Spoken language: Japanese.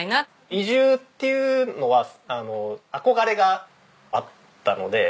移住っていうのは憧れがあったので。